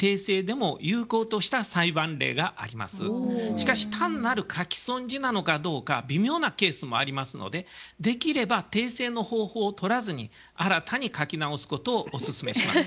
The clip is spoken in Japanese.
しかし単なる書き損じなのかどうか微妙なケースもありますのでできれば訂正の方法をとらずに新たに書き直すことをおすすめします。